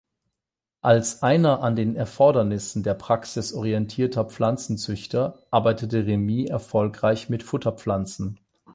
Als einer an den Erfordernissen der Praxis orientierter Pflanzenzüchter arbeitete Remy erfolgreich mit Futterpflanzen.